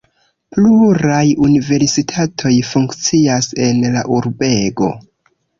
Pluraj universitatoj funkcias en la urbego.